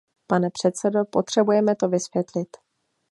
Pane předsedo, potřebujeme to vysvětlit.